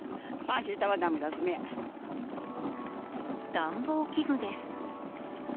暖房器具です。